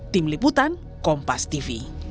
tim liputan kompas tv